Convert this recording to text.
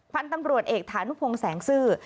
พันธุ์ตำรวจเอกฐานุพงศ์แสงซื่อ